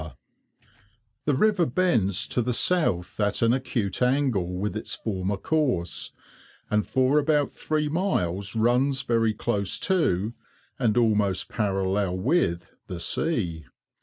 [Picture: Bream] The river bends to the south at an acute angle with its former course, and for about three miles runs very close to, and almost parallel with the sea.